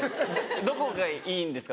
どこがいいんですか？